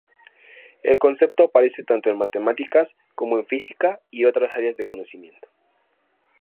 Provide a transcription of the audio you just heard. El concepto aparece tanto en matemáticas como en física y otras áreas de conocimiento.